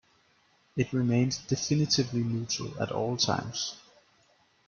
It remained definitively neutral at all times.